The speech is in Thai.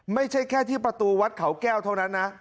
ไม่ใช่แค่ที่ประตูวัดเขาแก้วเท่านั้นนะ